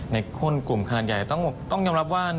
คนกลุ่มขนาดใหญ่ต้องยอมรับว่า